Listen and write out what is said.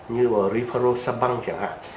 như là rifaroxaban chẳng hạn